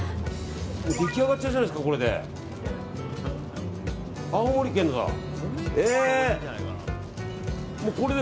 出来上がっちゃうじゃないですかこれで。